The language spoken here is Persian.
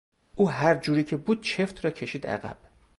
او هر جوری که بود چفت را کشید عقب.